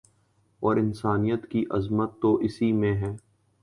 اور انسانیت کی عظمت تو اسی میں ہے